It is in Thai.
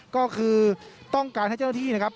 ก็คือต้องการให้เจ้าหน้าที่นะครับ